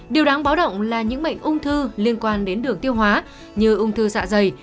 điều đáng báo động là những bệnh ung thư liên quan đến đường tiêu hóa như ung thư dạ dày